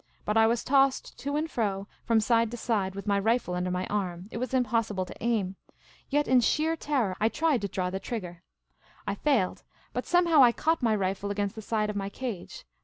Buc I was tossed to and fro, from side to side, with my rifle under my arm. It was impo.s.sible to aim. Yet in sheer terror I tried to draw the 256 Miss Cayley's Adventures trigger. I failed ; but somehow I caught my rifle agaiust the side of my cage.